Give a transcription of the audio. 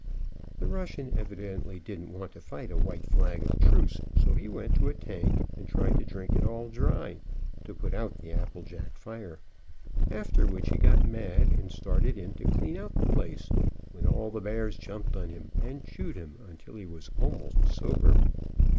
The Russian evidently didn't want to fight a white flag of truce, so he went to a tank and tried to drink it dry, to put out the apple jack fire, after which he got mad and started in to clean out the place, when all the bears jumped on him and chewed him until he was almost sober.